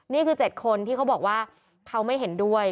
นี่คือ๗คนที่เขาบอกว่าเขาไม่เห็นด้วย